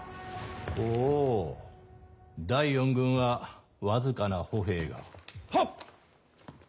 ほう第四軍はわずかな歩兵が？はっ！